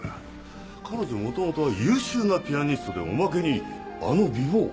彼女もともとは優秀なピアニストでおまけにあの美ぼう。